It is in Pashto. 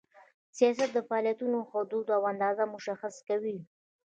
سیاست د فعالیتونو حدود او اندازه مشخص کوي.